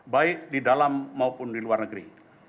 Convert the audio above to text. baik di dalam maupun di luar negeri